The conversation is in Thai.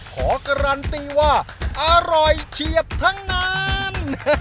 ขอการันตีว่าอร่อยเฉียบทั้งนาน